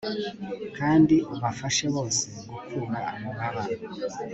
kandi ubafashe bose gukura amababa